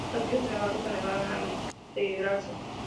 Estos partidos, sin embargo, se negaron a integrarse.